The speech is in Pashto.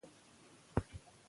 وړاندې لاړ شئ او بریالي اوسئ.